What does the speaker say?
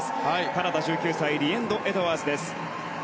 カナダ、１９歳リエンド・エドワーズです。